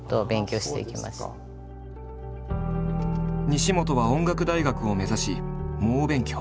西本は音楽大学を目指し猛勉強。